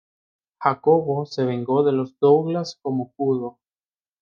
Jacobo se vengó de los Douglas como pudo.